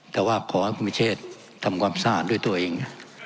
แต่ว่าขอให้คุณพิเชษทำความสะอาดด้วยตัวเอง